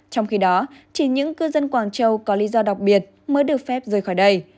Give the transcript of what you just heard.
trong khi đó chỉ những cư dân quảng châu có lý do đặc biệt mới được phép rời khỏi đây